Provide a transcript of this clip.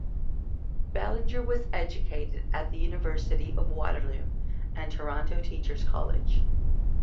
Ballinger was educated at the University of Waterloo and Toronto Teacher's College.